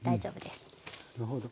なるほど。